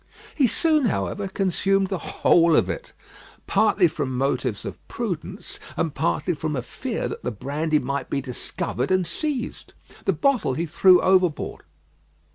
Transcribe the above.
He soon, however, consumed the whole of it; partly from motives of prudence, and partly from a fear that the brandy might be discovered and seized. The bottle he threw overboard.